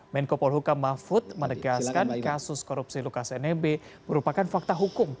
menko polhuka mahfud menegaskan kasus korupsi lukas nmb merupakan fakta hukum